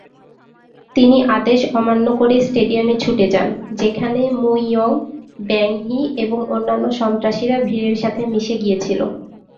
তিনি আদেশ অমান্য করে স্টেডিয়ামে ছুটে যান, যেখানে "মু-ইয়ং, ব্যাং-হি" এবং অন্যান্য সন্ত্রাসীরা ভিড়ের সাথে মিশে গিয়েছিল।